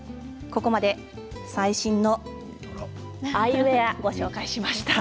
ここまで最新のアイウエアご紹介しました。